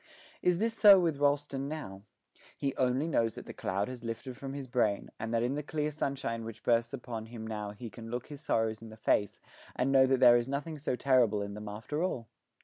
Is this so with Rolleston now? He only knows that the cloud has lifted from his brain, and that in the clear sunshine which bursts upon him now he can look his sorrows in the face and know that there is nothing so terrible in them after all.